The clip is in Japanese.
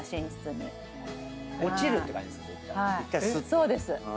そうです。